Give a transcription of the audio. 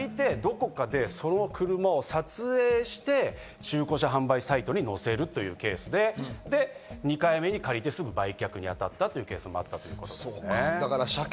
借りて、どこかでその車を撮影して、中古車販売サイトに載せるという、２回目に借りてすぐ売却に当たったというケースですね。